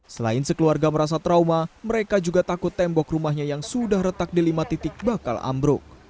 selain sekeluarga merasa trauma mereka juga takut tembok rumahnya yang sudah retak di lima titik bakal ambruk